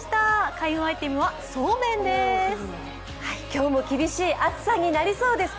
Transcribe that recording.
今日も厳しい暑さになりそうです。